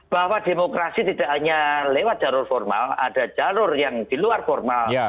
bahwa demokrasi tidak hanya lewat jalur formal ada jalur yang di luar formal